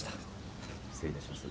失礼いたします。